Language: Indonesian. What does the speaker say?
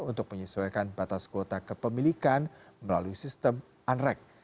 untuk menyesuaikan batas kuota kepemilikan melalui sistem unrek